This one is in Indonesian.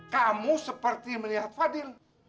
kamu seperti melihat fadil